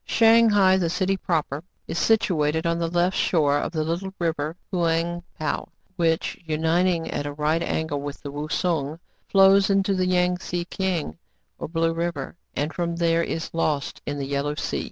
Shang hai, the city proper, is situated on the left shore of the little River Houang Pou, which, unit ing at a right angle with the Wousung, flows into the Yang Tze Kiang, or Blue River, and from there is lost in the Yellow Sea.